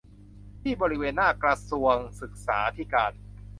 ที่บริเวณหน้ากระทรวงศึกษาธิการ